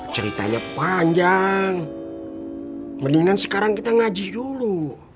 ceritanya panjang mendingan sekarang kita ngaji dulu